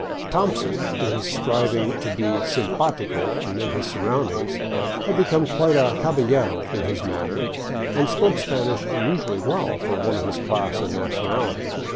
" Thompson," in his striving to be *' simpatico " amid his surroundings, had become quite a " caballero " in his manner, and spoke Spanish unusually well for one of his class and nationality.